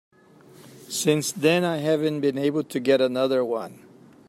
Since then I haven't been able to get another one.